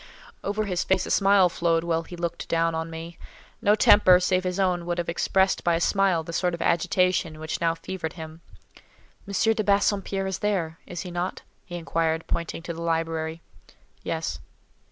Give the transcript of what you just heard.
Over his face a smile flowed, while he looked down on me: no temper, save his own, would have expressed by a smile the sort of agitation which now fevered him. "M. de Bassompierre is there—is he not?" he inquired, pointing to the library. "Yes."